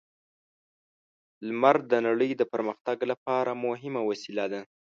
لمر د نړۍ د پرمختګ لپاره مهمه وسیله ده.